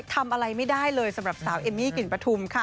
ทำอะไรไม่ได้เลยสำหรับสาวเอมมี่กลิ่นปฐุมค่ะ